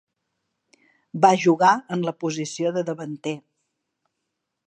Va jugar en la posició de davanter.